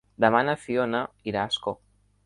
Demà na Fiona irà a Ascó.